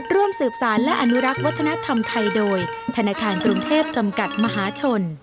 ร่วมสืบสารและอนุรักษ์วัฒนธรรมไทยโดยธนาคารกรุงเทพจำกัดมหาชน